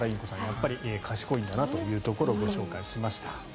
やっぱり賢いんだなというところをご紹介しました。